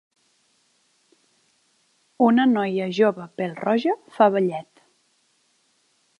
Una noia jove pèl-roja fa ballet.